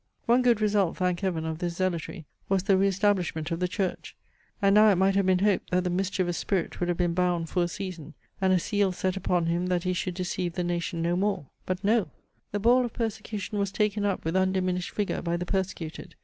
One good result, thank heaven! of this zealotry was the re establishment of the church. And now it might have been hoped, that the mischievous spirit would have been bound for a season, "and a seal set upon him, that he should deceive the nation no more." But no! The ball of persecution was taken up with undiminished vigour by the persecuted.